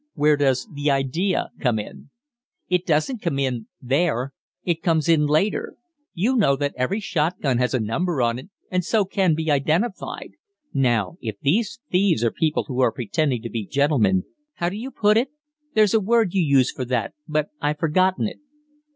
Where does the 'idea' come in?" "It doesn't come in there. It comes in later. You know that every shot gun has a number on it, and so can be identified. Now, if these thieves are people who are pretending to be gentlemen how do you put it? There's a word you use for that, but I've forgotten it."